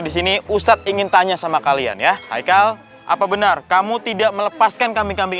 di sini ustadz ingin tanya sama kalian ya haikal apa benar kamu tidak melepaskan kambing kambing